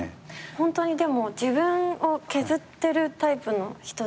ホントに自分を削ってるタイプの人ですよね。